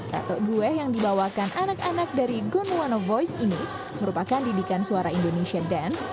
ratu dueh yang dibawakan anak anak dari gonwana voice ini merupakan didikan suara indonesia dance